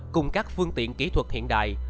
cùng các phương tiện kỹ thuật hiện đại